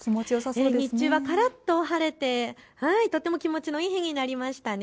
日中はからっと晴れてとても気持ちのいい日になりましたね。